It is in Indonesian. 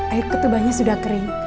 air ketubahnya sudah kering